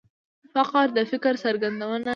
فقره د فکر څرګندونه کوي.